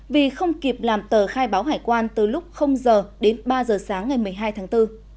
vì không kịp làm tờ khai báo hải quan từ lúc h đến ba h sáng ngày một mươi hai tháng bốn